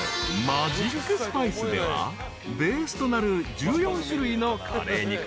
［マジックスパイスではベースとなる１４種類のカレーに加え］